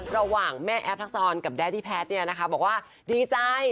ระหว่างแม่แอฟทักษรกับแดดี้แพทย์เนี่ยนะคะบอกว่าดีใจ